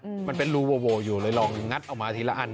มันเป็นรูโวอยู่เลยลองงัดออกมาทีละอัน